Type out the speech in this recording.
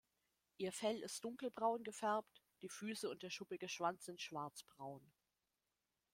Ihr Fell ist dunkelbraun gefärbt, die Füße und der schuppige Schwanz sind schwarzbraun.